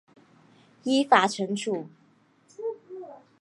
依法惩处